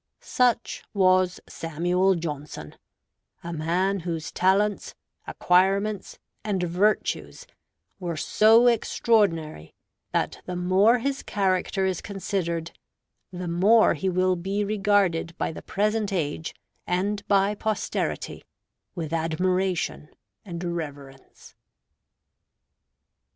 Such was Samuel Johnson; a man whose talents, acquirements, and virtues were so extraordinary, that the more his character is considered, the more he will be regarded by the present age and by posterity with admiration and reverence.